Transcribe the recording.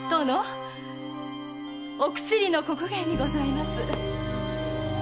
お薬の刻限にございます。